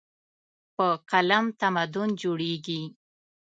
په قلم تمدن جوړېږي.